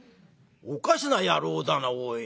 おかしな野郎だなおい。